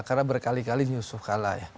karena berkali kali yusuf kalla ya